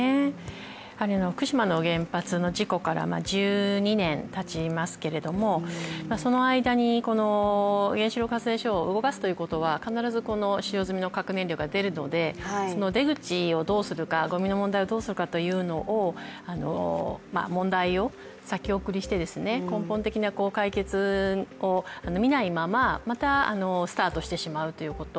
福島の原発の事故から１２年たちますけれどもその間にこの原子力発電所を動かすということは、必ず使用済み核燃料が出るので、その出口をどうするか、ごみの問題をどうするかというのを問題を先送りして、根本的な解決を見ないまままた、スタートしてしまうということ。